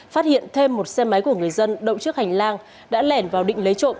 phát hiện thêm một xe máy của người dân động chức hành lang đã lẻn vào định lấy trộm